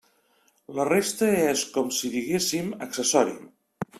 La resta és com si diguéssim accessori.